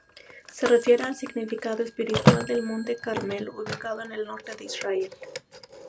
Se refiere al significado espiritual del Monte Carmelo ubicado en el norte de Israel.